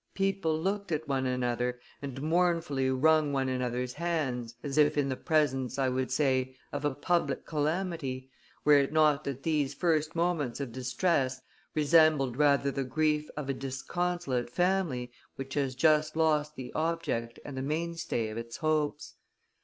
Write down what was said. People looked at one another, and mournfully wrung one another's hands, as if in the presence, I would say, of a public calamity, were it not that these first moments of distress resembled rather the grief of a disconsolate family which has just lost the object and the mainstay of its hopes.